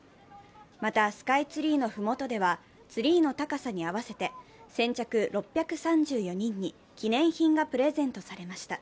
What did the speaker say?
またスカイツリーのふもとではツリーの高さに合わせて、先着６３４人に記念品がプレゼントされました。